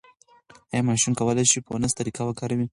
ایا ماشوم کولای شي فونس طریقه وکاروي؟